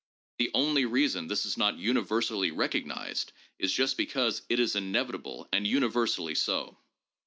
The only reason this is not universally recognized is just because it is inevitable and universally so.